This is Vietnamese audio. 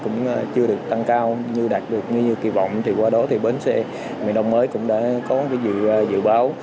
cũng chưa được tăng cao như đạt được như kỳ vọng thì qua đó thì bến xe miền đông mới cũng đã có dự báo